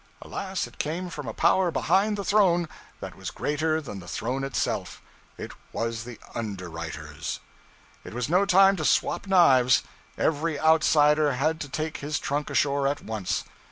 Alas, it came from a power behind the throne that was greater than the throne itself. It was the underwriters! It was no time to 'swap knives.' Every outsider had to take his trunk ashore at once.